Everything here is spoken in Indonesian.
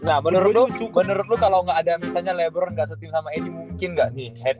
nah menurut lu menurut lu kalo gak ada misalnya lebron gak setim sama ad mungkin gak nih